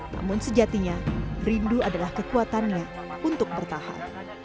namun sejatinya rindu adalah kekuatannya untuk bertahan